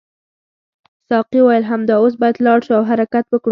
ساقي وویل همدا اوس باید لاړ شو او حرکت وکړو.